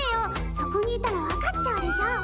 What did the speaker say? そこにいたらわかっちゃうでしょ。